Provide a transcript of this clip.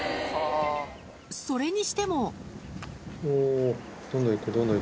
それにしてもおぉ。